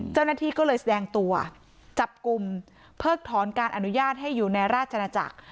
เจ้าหน้าที่ก็เลยแสดงตัวจับกลุ่มเพิกถอนการอนุญาตให้อยู่ในราชนาจักร